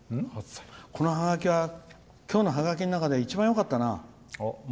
このハガキはきょうのハガキの中で一番よかったな。